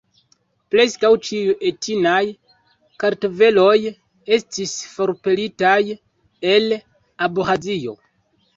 Preskaŭ ĉiuj etnaj kartveloj estis forpelitaj el Abĥazio.